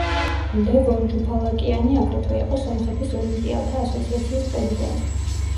ლევონ ჯუფალაკიანი აგრეთვე იყო სომხეთის ოლიმპიელთა ასოციაციის პრეზიდენტი.